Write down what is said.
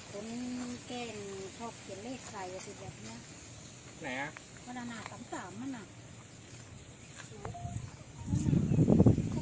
คนเข้นเข้าเขียนเลขใส่อาจจะแบบนี้